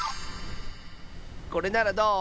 これならどう？